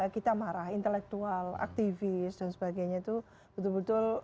kita marah intelektual aktivis dan sebagainya itu